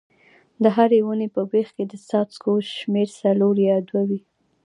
د هرې ونې په بیخ کې د څاڅکو شمېر څلور یا دوه وي.